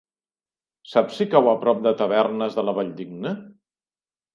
Saps si cau a prop de Tavernes de la Valldigna?